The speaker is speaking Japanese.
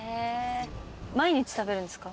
毎日食べるんですか？